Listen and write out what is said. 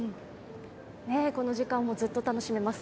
この時間もずっと楽しめます。